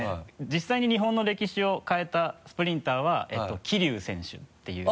実際に日本の歴史を変えたスプリンターは桐生選手っていう。